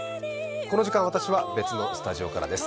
この時間、私は別のスタジオからです。